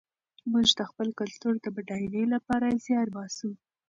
موږ د خپل کلتور د بډاینې لپاره زیار باسو.